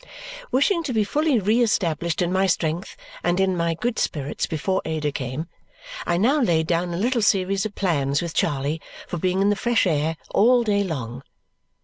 Wishing to be fully re established in my strength and my good spirits before Ada came, I now laid down a little series of plans with Charley for being in the fresh air all day long.